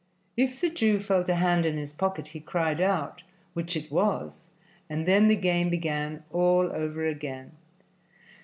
If the Jew felt a hand in his pocket he cried out which it was, and then the game began all over again.